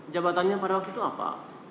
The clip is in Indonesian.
jabatannya pada waktu itu apa